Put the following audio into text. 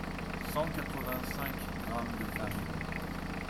cent quatre vingt cinq grammes de farine